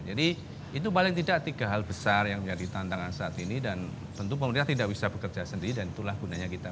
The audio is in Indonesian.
itu paling tidak tiga hal besar yang menjadi tantangan saat ini dan tentu pemerintah tidak bisa bekerja sendiri dan itulah gunanya kita